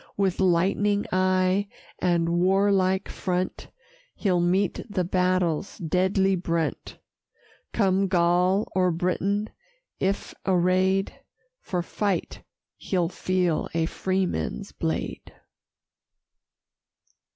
With lightning eye, and warlike front, He'll meet the battle's deadly brunt: Come Gaul or Briton; if array'd For fight he'll feel a freeman's blade.